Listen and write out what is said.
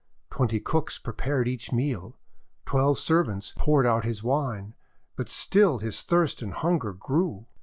Twenty cooks prepared each meal. Twelve servants poured out his wine. But still his thirst and hunger grew.